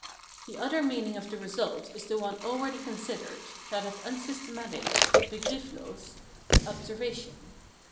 The other meaning of the result is the one already considered, that of unsystematic (begrifflos) observation.